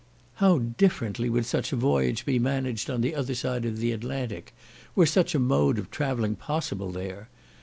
How differently would such a voyage be managed on the other side of the Atlantic, were such a mode of travelling possible there.